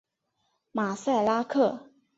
马赛拉克。